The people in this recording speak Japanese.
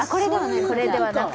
これではない？